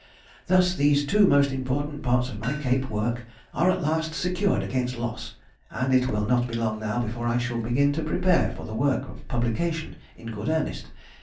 Thus these two most important parts of my Cape work are at last secured against loss, and it will not be long now before I shall begin to prepare for the work of publication in good earnest.